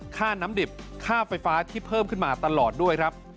ค่าน้ำดิบค่าไฟฟ้าที่เพิ่มขึ้นมาตลอดด้วยครับ